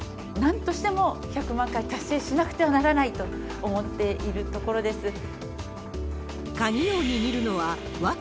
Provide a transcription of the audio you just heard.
なんとしても１００万回達成しなくてはならないと思っているところです。